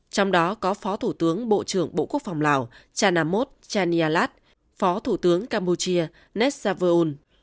trong đó có phó thủ tướng bộ trưởng bộ quốc phòng lào chanamot chanialat phó thủ tướng campuchia nesavun